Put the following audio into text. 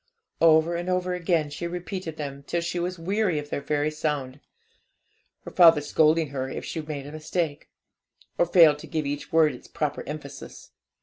Over and over again she repeated them, till she was weary of their very sound, her father scolding her if she made a mistake, or failed to give each word its proper emphasis.